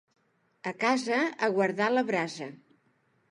A casa, a guardar la brasa.